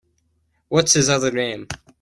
What’s his other name?